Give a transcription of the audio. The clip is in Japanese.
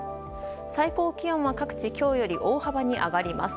最高気温は各地今日より大幅に上がります。